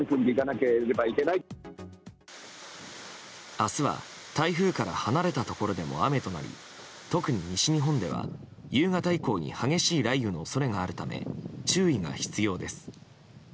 明日は、台風から離れたところでも雨となり特に西日本では夕方以降に激しい雷雨の恐れがあるため注意が必要です。